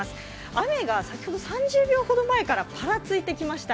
雨が先ほど、３０秒ほど前からぱらついてきました。